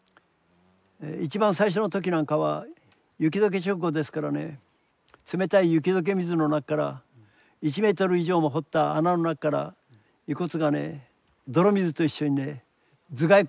一番最初の時なんかは雪解け直後ですからね冷たい雪解け水の中から１メートル以上も掘った穴の中から遺骨がね泥水と一緒にね頭蓋骨が引きあげられてくるという。